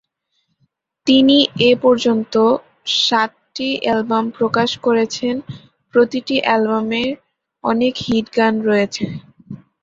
তিনি এ পর্যন্ত সাতটি অ্যালবাম প্রকাশ করেছেন এবং প্রতিটি অ্যালবামের অনেক হিট গান রয়েছে।